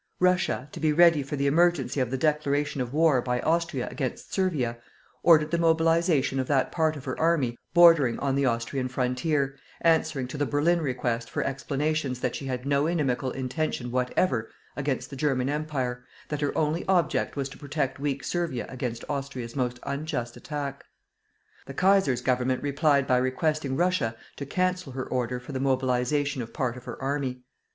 Russia, to be ready for the emergency of the declaration of war by Austria against Servia, ordered the mobilization of that part of her army bordering on the Austrian frontier, answering to the Berlin request for explanations that she had no inimical intention whatever against the German Empire, that her only object was to protect weak Servia against Austria's most unjust attack. The Kaiser's government replied by requesting Russia to cancel her order for the mobilization of part of her army.